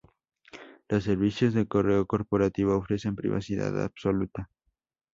Los servicios de correo corporativo ofrecen privacidad absoluta.